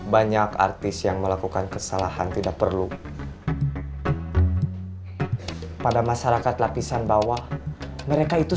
banyak artis yang melakukan kesalahan tidak perlu pada masyarakat lapisan bawah mereka itu